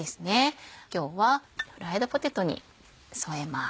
今日はフライドポテトに添えます。